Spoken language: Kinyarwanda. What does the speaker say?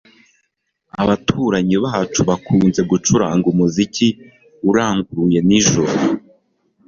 Abaturanyi bacu bakunze gucuranga umuziki uranguruye nijoro.